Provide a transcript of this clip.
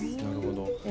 なるほど。